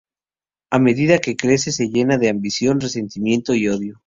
A medida que crece se llena de ambición, resentimiento y odio.